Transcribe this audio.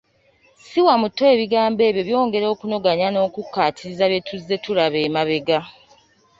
Siwa muto Ebigambo ebyo byongera okunogaanya n’okukkaatiriza bye tuzze tulaba emabega.